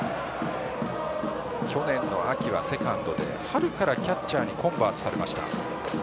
去年の秋はセカンドで春からキャッチャーにコンバートされました。